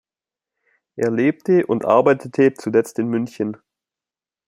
Er lebte und arbeitete zuletzt in München.